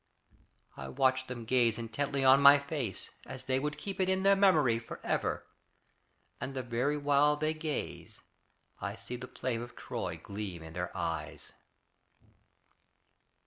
I watch them gaze intently on my face As they would keep it in their memory Forever, and the very while they gaze I see the flame of Troy gleam in their eyes.